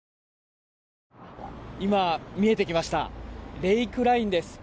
今、見えてきましたレイクラインです。